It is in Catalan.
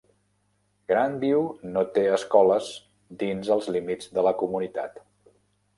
Grandview no té escoles dins els límits de la comunitat.